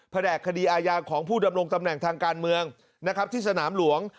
แหนกคดีอาญาของผู้ดำรงตำแหน่งทางการเมืองนะครับที่สนามหลวง